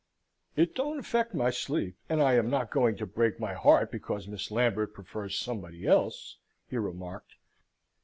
"It don't affect my sleep, and I am not going to break my heart because Miss Lambert prefers somebody else," he remarked.